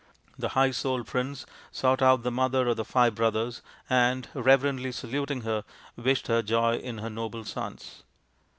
The high souled prince sought out the mother of the five brothers, and, reverently saluting her, wished her joy in her noble sons.